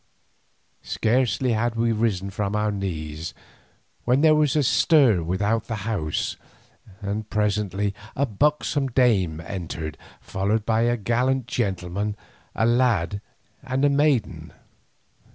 Scarcely had we risen from our knees when there was a stir without the house, and presently a buxom dame entered, followed by a gallant gentleman, a lad, and a maiden.